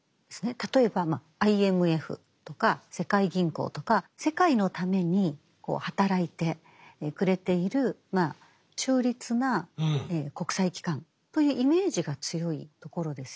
例えばＩＭＦとか世界銀行とか世界のために働いてくれている中立な国際機関というイメージが強いところですよね。